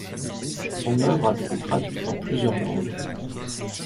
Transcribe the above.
Son œuvre a été traduite en plusieurs langues.